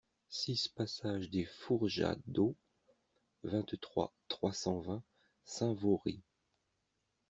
six passage des Fourjadeaux, vingt-trois, trois cent vingt, Saint-Vaury